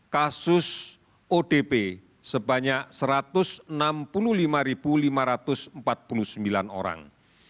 kasus odp sebanyak satu ratus enam puluh lima lima ratus empat puluh sembilan orang